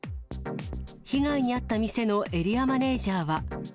被害に遭った店のエリアマネージャーは。